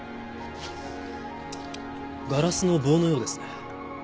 ガラスの棒のようですね。